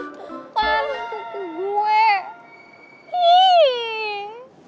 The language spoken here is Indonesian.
oke kalo gitu gue dukungin